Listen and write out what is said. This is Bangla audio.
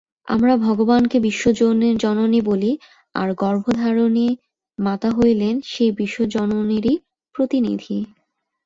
আমরা ভগবানকে বিশ্বজননী বলি, আর গর্ভধারিণী মাতা হইলেন সেই বিশ্বজননীরই প্রতিনিধি।